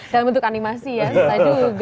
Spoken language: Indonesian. dalam bentuk animasi ya